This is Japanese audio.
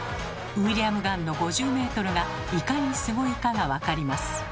ウィリアム・ガンの５０ｍがいかにスゴいかが分かります。